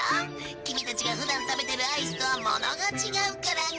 キミたちが普段食べてるアイスとはものが違うからね。